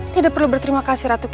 tidak perlu berterima kasih untuk aku